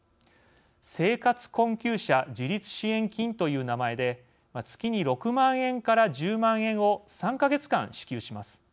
生活困窮者自立支援金という名前で月に６万円から１０万円を３か月間、支給します。